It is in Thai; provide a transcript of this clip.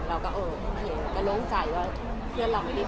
แล้วก็โอเคก็ลงใจว่าเพื่อนเราหรือบ่อย